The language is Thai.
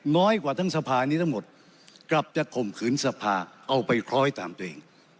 น้อยกว่าทั้งสภานี้ทั้งหมดกลับจะข่มขืนสภาเอาไปคล้อยตามตัวเอง